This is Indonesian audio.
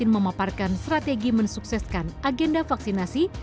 memaparkan strategi mensukseskan agenda vaksinasi